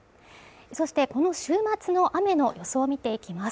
そしてこの週末の雨の予想を見ていきます。